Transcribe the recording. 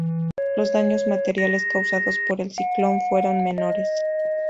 Los daños materiales causados por el ciclón fueron menores.